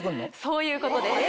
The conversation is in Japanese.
そういうことです。